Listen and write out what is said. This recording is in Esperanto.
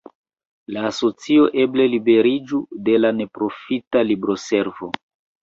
La asocio eble liberiĝu de la neprofita libroservo.